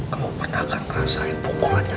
kamu pernah akan merasakan pukulannya